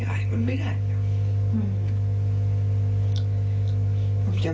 อุ๊ยวายไม่มีชีวิตรึกเท่าไหร่